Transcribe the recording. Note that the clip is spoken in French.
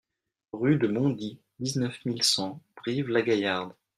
Rue de Bondy, dix-neuf mille cent Brive-la-Gaillarde